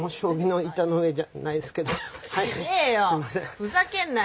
ふざけんなよ。